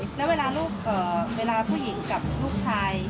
แล้วเวลาผู้หญิงกับลูกชาย